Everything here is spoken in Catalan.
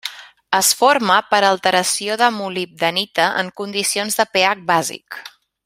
Es forma per alteració de molibdenita en condicions de pH bàsic.